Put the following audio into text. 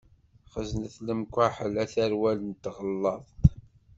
Xeznet lemkaḥel a tarwa n tɣalaḍt.